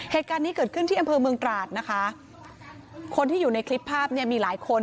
เหตุการณ์นี้เกิดขึ้นที่อำเภอเมืองตราดนะคะคนที่อยู่ในคลิปภาพเนี่ยมีหลายคน